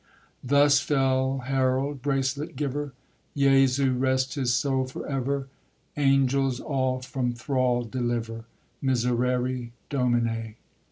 Thus fell Harold, bracelet giver; Jesu rest his soul for ever; Angles all from thrall deliver; Miserere Domine.